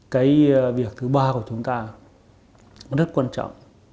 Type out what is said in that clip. cái việc thứ ba của chúng ta nó rất quan trọng